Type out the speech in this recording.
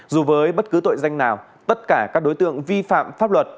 dù với bất cứ tội danh nào tất cả các đối tượng vi phạm pháp luật